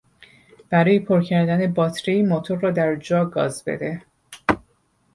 برای پر کردن باتری موتور را در جا گاز بده.